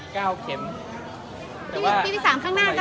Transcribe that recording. คุณผู้โฆษกัยเลย